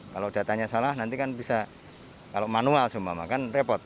kalau datanya salah nanti kan bisa kalau manual cuma maka kan repot